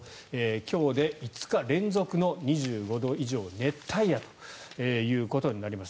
今日で５日連続の２５度以上熱帯夜ということになります。